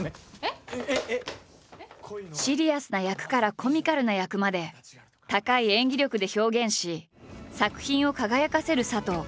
シリアスな役からコミカルな役まで高い演技力で表現し作品を輝かせる佐藤。